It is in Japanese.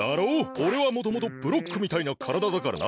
おれはもともとブロックみたいなからだだからな。